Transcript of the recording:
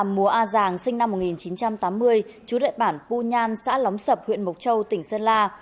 mùa a giàng sinh năm một nghìn chín trăm tám mươi chú đệ bản pu nhan xã lóng sập huyện mộc châu tỉnh sơn la